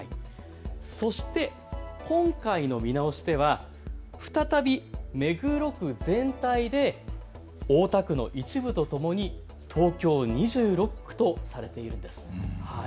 そして今回の見直しでは再び目黒区全体で大田区の一部とともに東京２６区とされているんですね。